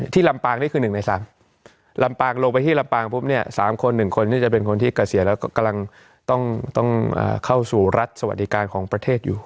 ลำปางนี่คือ๑ใน๓ลำปางลงไปที่ลำปางปุ๊บเนี่ย๓คน๑คนที่จะเป็นคนที่เกษียณแล้วก็กำลังต้องเข้าสู่รัฐสวัสดิการของประเทศอยู่